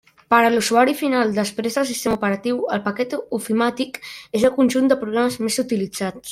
Per a l'usuari final, després del sistema operatiu, el paquet ofimàtic és el conjunt de programes més utilitzats.